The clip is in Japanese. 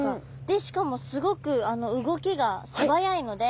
でしかもすごく動きがすばやいので。